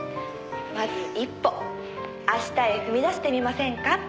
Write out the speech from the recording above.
「まず一歩明日へ踏み出してみませんか？